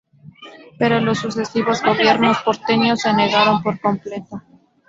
Pero los sucesivos gobiernos porteños se negaron por completo.